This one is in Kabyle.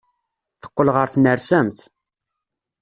Teqqel ɣer tnersamt.